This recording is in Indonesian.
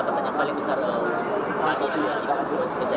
target ke depannya apa